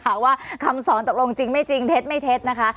ว่าคำสอนตกลงจริงไม่จริงเท็จไม่เท็จนะคะ